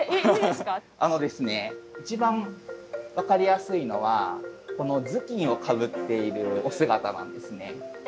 あの一番分かりやすいのはこの頭巾をかぶっているお姿なんですね。